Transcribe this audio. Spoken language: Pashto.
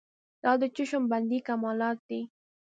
دا د چشم بندۍ کمالات دي.